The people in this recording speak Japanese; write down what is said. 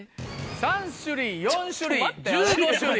３種類４種類１５種類。